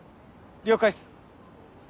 了解っす！